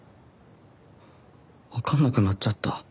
わかんなくなっちゃった。